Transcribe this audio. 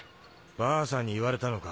ばあさんに言われたのか？